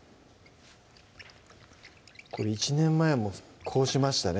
これ１年前もこうしましたね